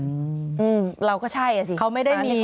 อืมเราก็ใช่สิ